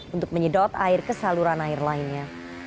untuk menyedot air ke saluran air lainnya